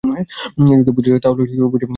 যদি বুঝে যাস তাহলে বুঝিয়ে দিবো।